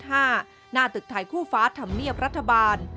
หน้าตึกถ่ายคู่ฟ้าทำเนียบรัฐบาล